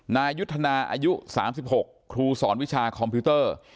นายุทธนาอายุ๓๖ครูสอนวิชาคอมพิวเตอร์